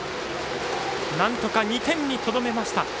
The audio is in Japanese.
なんとか２点にとどめました。